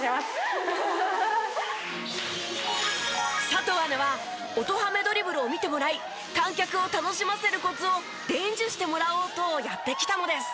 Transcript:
佐藤アナは音ハメドリブルを見てもらい観客を楽しませるコツを伝授してもらおうとやって来たのです。